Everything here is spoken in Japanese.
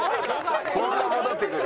こんな戻ってくる。